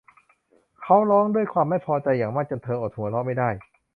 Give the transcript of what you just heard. เขาร้องด้วยความไม่พอใจอย่างมากจนเธออดหัวเราะไม่ได้